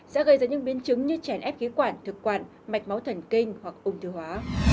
sẽ gây ra những biến chứng như chèn ép khí quản thực quản mạch máu thần kinh hoặc ung thư hóa